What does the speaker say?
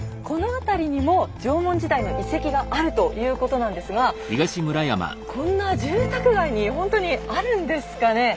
この辺りにも縄文時代の遺跡があるということなんですがこんな住宅街にほんとにあるんですかね？